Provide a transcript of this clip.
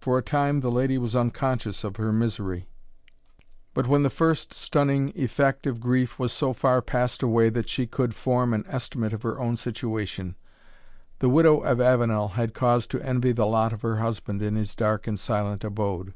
For a time the lady was unconscious of her misery; but when the first stunning effect of grief was so far passed away that she could form an estimate of her own situation, the widow of Avenel had cause to envy the lot of her husband in his dark and silent abode.